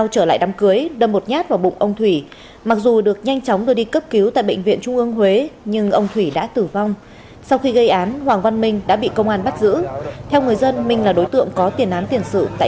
các bạn hãy đăng ký kênh để ủng hộ kênh của chúng mình nhé